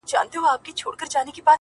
دا چي دي په سرو اناري سونډو توره نښه ده,